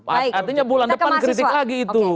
artinya bulan depan kritik lagi itu